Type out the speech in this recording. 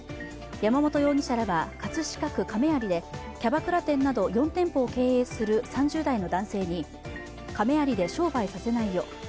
山本容疑者らは葛飾区亀有でキャバクラ店など４店舗を経営する３０代の男性に亀有で商売させないよ